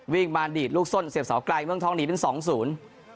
วิ่งมาดีดลูกส้นเสียบเสาไกลเมืองทองหนีเป็นสองศูนย์